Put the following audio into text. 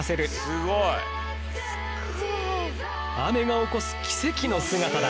すごい！雨が起こす奇跡の姿だ。